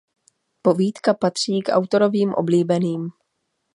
Povídka patří k autorovým oblíbeným.